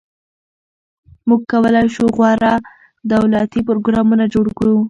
موږ کولای شو غوره دولتي پروګرامونه جوړ کړو.